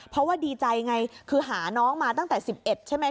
เพราะว่าดีใจไงคือหาน้องมาตั้งแต่๑๑ใช่ไหม